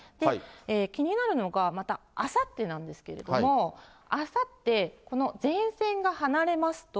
気になるのが、またあさってなんですけれども、あさって、この前線が離れますと。